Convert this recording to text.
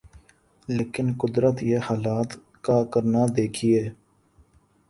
لیکن قدرت یا حالات کا کرنا دیکھیے۔